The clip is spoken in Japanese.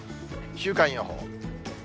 週間予報。